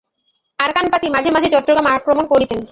আরাকানপতি মাঝে মাঝে চট্টগ্রাম আক্রমণ করিতেন।